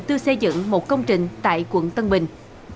tư xây dựng một công trình tại quận tân bình